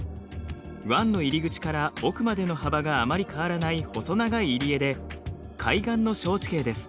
湾の入り口から奥までの幅があまり変わらない細長い入り江で海岸の小地形です。